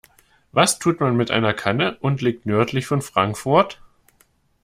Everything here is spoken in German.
Was tut man mit einer Kanne und liegt nördlich von Frankfurt?